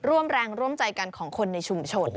ร่วมแรงร่วมใจกันของคนในชุมชน